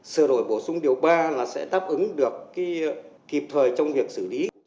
sự đổi bổ sung điều ba là sẽ táp ứng được kịp thời trong việc xử lý